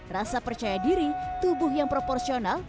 rasa percaya diri tubuh yang proporsional